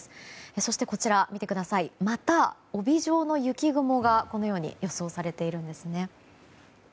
そして、こちらまた帯状の雪雲が予想されているんですね。